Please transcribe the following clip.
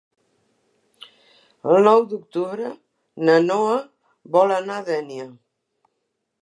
El nou d'octubre na Noa vol anar a Dénia.